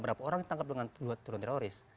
berapa orang yang ditangkap dengan tuduhan teroris